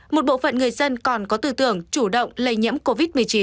một bộ phận người dân còn có tư tưởng chủ động lây nhiễm covid một mươi chín